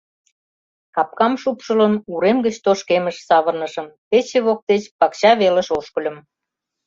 Капкам шупшылын, урем гыч тошкемыш савырнышым, пече воктеч пакча велыш ошкыльым.